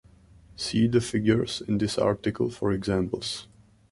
See the figures in this article for examples.